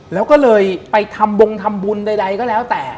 แล้วก็เลยไปทำบงทำบุญใดก็แล้วแต่